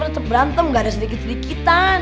untuk berantem gak ada sedikit sedikitan